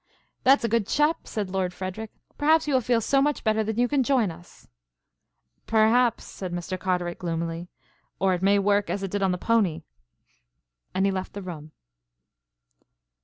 "That's a good chap!" said Lord Frederic, "perhaps you will feel so much better that you can join us. "Perhaps," said Mr. Carteret gloomily, "or it may work as it did on the pony." And he left the room.